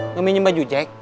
ngeminyem baju jack